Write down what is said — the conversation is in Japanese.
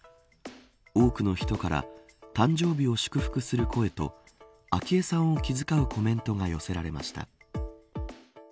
多くの人から誕生日を祝福する声と昭恵さんを気遣うコメントが寄せられました。